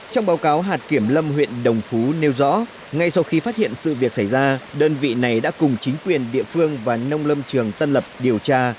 trong báo cáo hạt kiểm lâm huyện đồng phú nêu rõ ngay sau khi phát hiện sự việc xảy ra đơn vị này đã cùng chính quyền địa phương và nông lâm trường tân lập điều tra